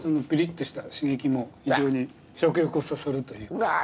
ピリッとした刺激も非常に食欲をそそるというか。